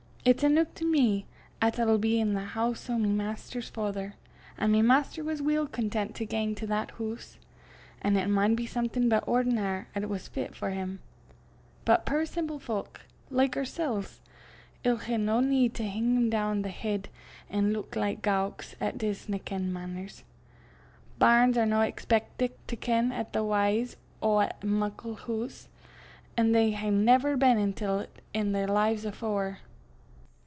It's eneuch to me 'at I'll be i' the hoose o' my Maister's father; an' my Maister was weel content to gang to that hoose; an' it maun be somethin' by ordinar' 'at was fit for him. But puir simple fowk like oorsel's 'ill hae no need to hing doon the heid an' luik like gowks 'at disna ken mainners. Bairns are no expeckit to ken a' the w'ys o' a muckle hoose 'at they hae never been intil i' their lives afore."